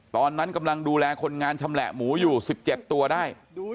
ตอนนั้นกำลังดูแลคนงานชำแหละหมูอยู่๑๗ตัวได้